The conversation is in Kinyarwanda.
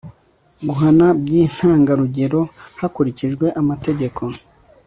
guhana by'intangarugero, hakurikijwe amategeko